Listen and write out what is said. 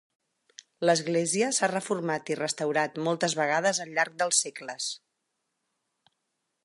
L'església s'ha reformat i restaurat moltes vegades al llarg dels segles.